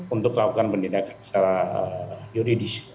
untuk melakukan penindakan secara yuridis